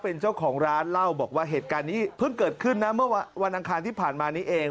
เป็นเจ้าของร้านเล่าบอกว่าเหตุการณ์นี้เพิ่งเกิดขึ้นนะเมื่อวันอังคารที่ผ่านมานี้เอง